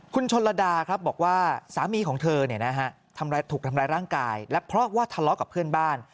คุณชนระดาครับบอกว่าสามีของเธอถูกทำร้ายร่างกายและเพราะว่าทะเลาะกับเพื่อนบ้าน